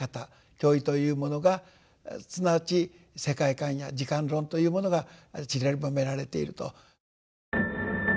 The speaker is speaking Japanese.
経意というものがすなわち世界観や時間論というものがちりばめられていると。